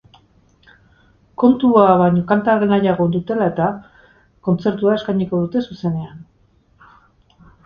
Kontua baino kanta nahiago dutela-eta, kontzertua eskainiko dute zuzenean.